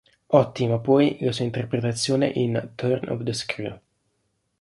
Ottima, poi, la sua interpretazione in "Turn of the Screw".